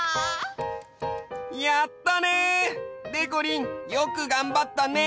やったね！でこりんよくがんばったね。